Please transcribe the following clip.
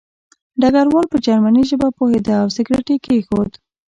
ډګروال په جرمني ژبه پوهېده او سګرټ یې کېښود